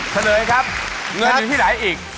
เฉลยครับเงินอยู่ที่ไหนอีก